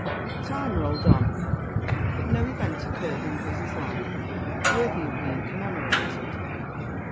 _ TIME rolled on, but no event occurred in Grizzy's life worthy of being commemorated.